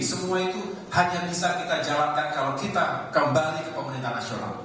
semua itu hanya bisa kita jalankan kalau kita kembali ke pemerintah nasional